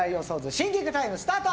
シンキングタイムスタート！